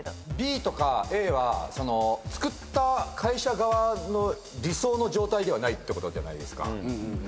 ＢとかＡは作った会社側の理想の状態ではないってことじゃないですか。